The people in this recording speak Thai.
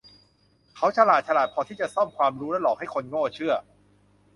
เขาฉลาด ฉลาดพอที่จะซ่อมความรู้และหลอกให้คนโง่เชื่อ